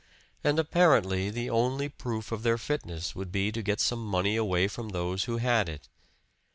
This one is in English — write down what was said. And apparently the only proof of their fitness would be to get some money away from those who had it.